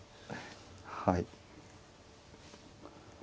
はい。